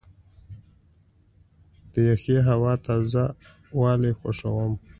زه د یخې هوا تازه والی خوښوم.